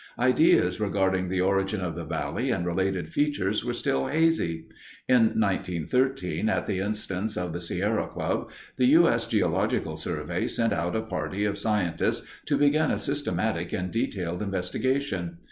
Ideas regarding the origin of the valley and related features were still hazy. In 1913, at the instance of the Sierra Club, the U. S. Geological Survey sent out a party of scientists to begin a systematic and detailed investigation.